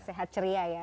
sehat ceria ya